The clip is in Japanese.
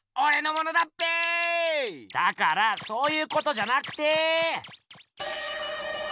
だからそういうことじゃなくて。